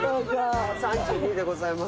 ３２でございます。